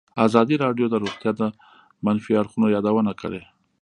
ازادي راډیو د روغتیا د منفي اړخونو یادونه کړې.